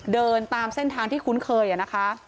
เดินตามเส้นทางที่คุ้นเคยนะคะ